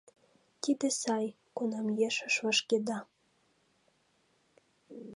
— Тиде сай, кунам ешыш вашкеда.